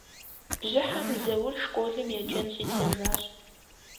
Бжьыхьэм Зэур школым еджэн щӀидзэжащ.